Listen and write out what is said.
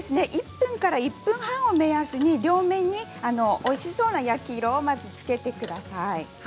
１分から１分半を目安に両面においしそうな焼き色をまずつけてください。